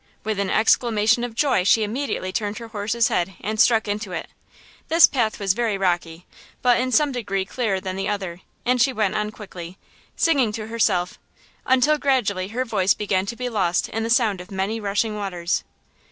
With an exclamation of joy she immediately turned her horse's head and struck into it. This path was very rocky, but in some degree clearer than the other, and she went on quickly, singing to herself, until gradually her voice began to be lost in the sound of many rushing waters.